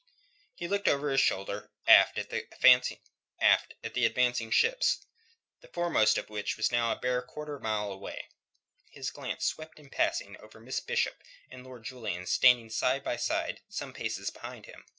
He looked over his shoulder, aft, at the advancing ships, the foremost of which was now a bare quarter of a mile away. His glance swept in passing over Miss Bishop and Lord Julian standing side by side some paces behind him.